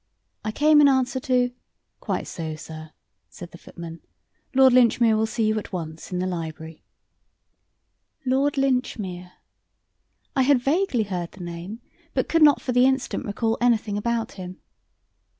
"I came in answer to " "Quite so, sir," said the footman. "Lord Linchmere will see you at once in the library." Lord Linchmere! I had vaguely heard the name, but could not for the instant recall anything about him.